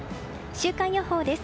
週間予報です。